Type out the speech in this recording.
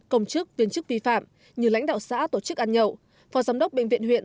công chức viên chức vi phạm như lãnh đạo xã tổ chức ăn nhậu phó giám đốc bệnh viện huyện